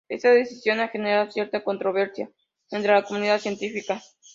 Esta decisión ha generado cierta controversia entre la comunidad científica.